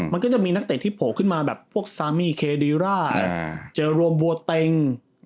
มันก็จะมีนักเตะที่โผล่ขึ้นมาแบบพวกซามีเคดีร่าเจอรวมบัวเต็ง